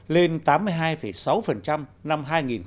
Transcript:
lên tám mươi hai sáu năm hai nghìn một mươi